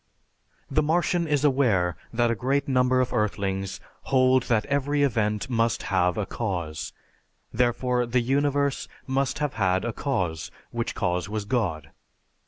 The Martian is aware that a great number of earthlings hold that every event must have a cause, therefore the Universe must have had a cause, which cause was God.